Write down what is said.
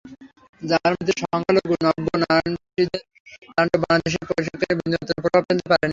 জার্মানিতে সংখ্যালঘু নব্য নাৎসিদের তাণ্ডব বাংলাদেশিদের প্রশিক্ষণে বিন্দুমাত্র প্রভাব ফেলতে পারেনি।